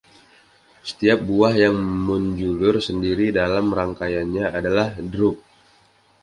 Setiap buah yang menjulur sendiri dalam rangkaiannya adalah drupe.